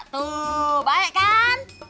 tuh baik kan